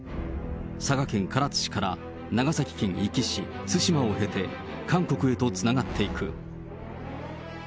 佐賀県唐津市から長崎県壱岐市、対馬を経て、韓国へとつながっていく。